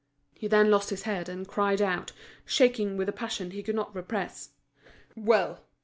He then lost his head, and cried out, shaking with a passion he could not repress: "Well!